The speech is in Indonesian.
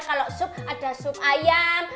kalau sup ada sup ayam